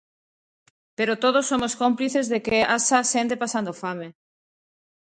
Pero todos somos cómplices de que haxa xente pasando fame.